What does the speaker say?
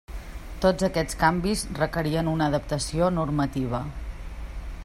Tots aquests canvis requerien una adaptació normativa.